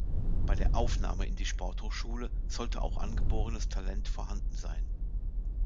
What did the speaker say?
Bei der Aufnahme in die Sportschule sollte auch angeborenes Talent vorhanden sein.